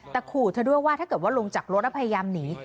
แต่ขู่เธอด้วยว่าถ้าเกิดว่าลงจากรถแล้วพยายามหนี